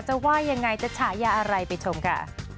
ว่ายังไงจะฉายาอะไรไปชมค่ะ